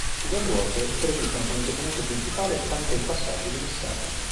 I Web worker interagiscono con il documento principale tramite il passaggio di messaggi.